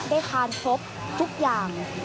ได้ทานครบทุกอย่าง